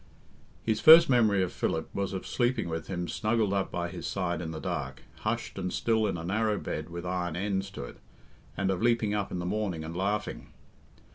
His first memory of Philip was of sleeping with him, snuggled up by his side in the dark, hushed and still in a narrow bed with iron ends to it, and of leaping up in the morning and laughing.